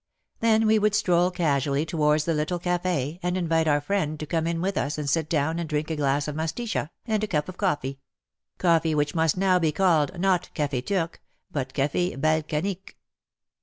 Then we would stroll casually towards the little caf6, and invite our friend to come in with us and sit down and drink a glass of Masticha and a cup of coffee — coffee which must now be called not " cafd Turque," but caf^ Balkanique."